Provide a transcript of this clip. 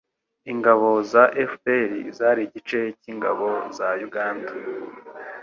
ingabo za FPR zari igice cy'ingabo za Uganda